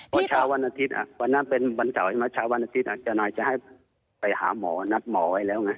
เมื่อเช้าวันอาทิตย์อ่ะวันนั้นเป็นวันเสาร์เมื่อเช้าวันอาทิตย์อ่ะจันนายจะให้ไปหาหมอนัดหมอไว้แล้วไง